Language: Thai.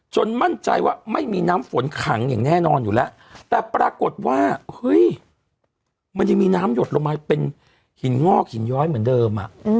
มั่นใจว่าไม่มีน้ำฝนขังอย่างแน่นอนอยู่แล้วแต่ปรากฏว่าเฮ้ยมันยังมีน้ำหยดลงมาเป็นหินงอกหินย้อยเหมือนเดิม